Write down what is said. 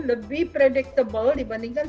lebih predictable dibandingkan